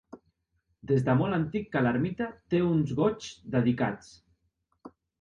Des de molt antic que l'ermita té uns Goigs dedicats.